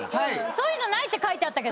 そういうのないって書いてあったけど。